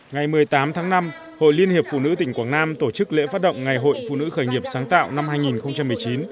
ngày một mươi tám tháng năm hội liên hiệp phụ nữ tỉnh quảng nam tổ chức lễ phát động ngày hội phụ nữ khởi nghiệp sáng tạo năm hai nghìn một mươi chín